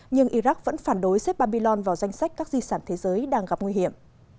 nhưng iraq vẫn phản đối xếp babylon vào danh sách các di sản thế giới đang gặp nguy hiểm